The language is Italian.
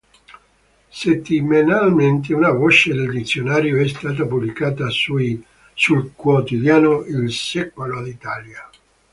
Settimanalmente una voce del "Dizionario" è stata pubblicata sul quotidiano il "Secolo d'Italia".